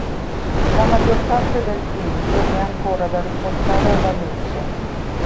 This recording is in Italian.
La maggior parte del tempio è ancora da riportare alla luce.